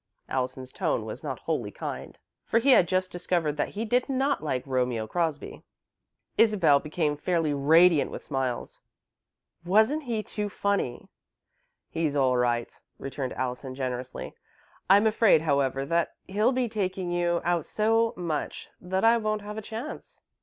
Allison's tone was not wholly kind, for he had just discovered that he did not like Romeo Crosby. Isabel became fairly radiant with smiles. "Wasn't he too funny?" "He's all right," returned Allison, generously, "I'm afraid, however, that he'll be taking you out so much that I won't have a chance."